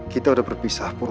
kita udah berpisah pun